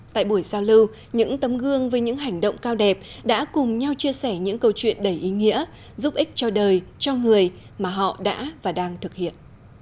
tại buổi giao lưu những tấm gương với những hành động cao đẹp đã cùng nhau chia sẻ những câu chuyện đầy ý nghĩa giúp ích cho đời cho người mà họ đã và đang thực hiện